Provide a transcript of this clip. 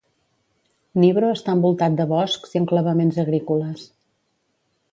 Nybro està envoltat de boscs i enclavaments agrícoles.